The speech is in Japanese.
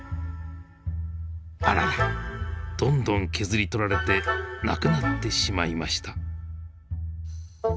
あららどんどん削り取られてなくなってしまいました。